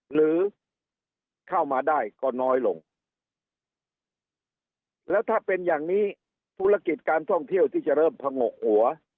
หรือเข้ามาได้ก็น้อยลงแล้วถ้าเป็นอย่างนี้ธุรกิจการท่องเที่ยวที่จะเริ่มผงกหัว